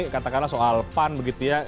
katakanlah soal pan begitu ya